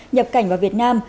nhập cảnh vào việt nam